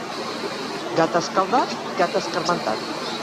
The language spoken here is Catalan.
Gat escaldat, gat escarmentat.